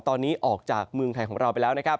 ตอนนี้ออกจากเมืองไทยของเราไปแล้วนะครับ